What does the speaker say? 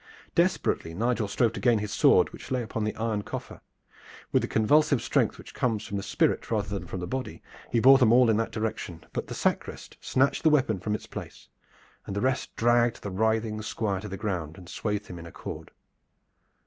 Desperately Nigel strove to gain his sword which lay upon the iron coffer. With the convulsive strength which comes from the spirit rather than from the body, he bore them all in that direction, but the sacrist snatched the weapon from its place, and the rest dragged the writhing Squire to the ground and swathed him in a cord.